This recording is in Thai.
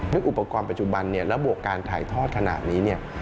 นึกอุปกรณ์ปัจจุบันระบวกการถ่ายทอดขนาดนี้